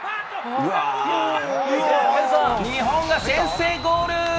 日本が先制ゴール。